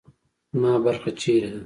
زما برخه چیرې ده؟